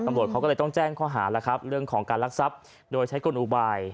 ตำรวจเขาก็เลยต้องแจ้งข้อหาแล้วครับเรื่องของการรักทรัพย์โดยใช้กลอุบาย